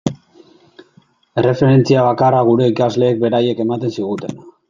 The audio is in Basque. Erreferentzia bakarra gure ikasleek beraiek ematen ziguten.